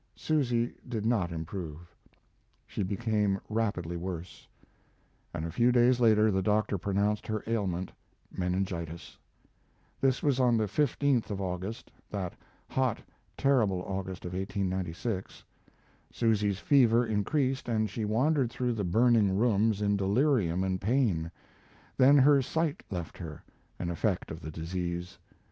Susy did not improve. She became rapidly worse, and a few days later the doctor pronounced her ailment meningitis. This was on the 15th of August that hot, terrible August of 1896. Susy's fever increased and she wandered through the burning rooms in delirium and pain; then her sight left her, an effect of the disease.